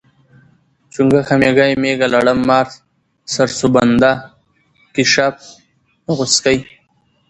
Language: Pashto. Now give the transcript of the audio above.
چونګښه، میږی، میږه، لړم، مار، سرسوبنده، کیسپ، غوسکی